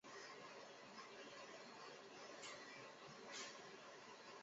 这种子流派的游戏剧情通常具有较强的暴力犯罪主题。